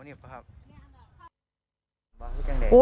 อ๋อเนี่ยพระครับ